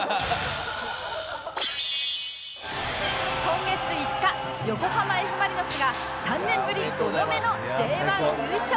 今月５日横浜 Ｆ ・マリノスが３年ぶり５度目の Ｊ１ 優勝！